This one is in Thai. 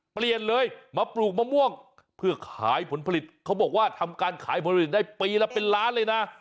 เปลี่ยนเลยมาปลูกมะม่วงเพื่อขายผลผลิตเขาบอกว่าทำการขายผลิตได้ปีละเป็นล้านเลยนะ